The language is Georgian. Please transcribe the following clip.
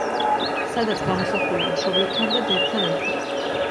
სადაც გამოსახულია მშობლებთან და დებთან ერთად.